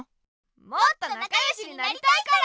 もっとなかよしになりたいから！